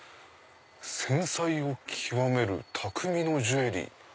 「繊細を極める匠のジュエリー」。